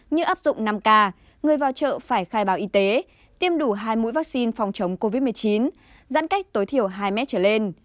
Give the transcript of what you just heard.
như áp dụng năm k người vào chợ phải khai báo y tế tiêm đủ hai mũi vaccine phòng chống covid một mươi chín giãn cách tối thiểu hai mét trở lên